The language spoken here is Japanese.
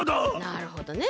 なるほどね。